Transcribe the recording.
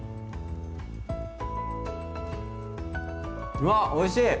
うわっおいしい！